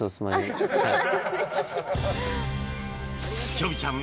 ちょびちゃん